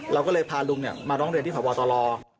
เราก็เลยพาลุงมาร้องเรียนที่พบตร